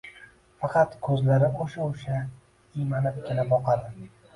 Faqat ko`zlari o`sha-o`sha, iymanibgina boqadi